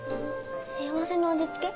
幸せの味付け？